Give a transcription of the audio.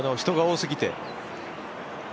人が多すぎて。